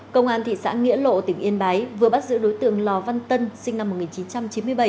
công an thị xã nghĩa lộ tỉnh yên bái vừa bắt giữ đối tượng lò văn tân sinh năm một nghìn chín trăm chín mươi bảy